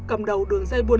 cầm đầu đường dây buôn